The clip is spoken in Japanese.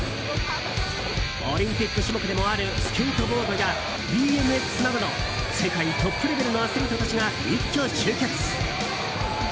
オリンピック種目でもあるスケートボードやＢＭＸなどの世界トップレベルのアスリートたちが一挙集結。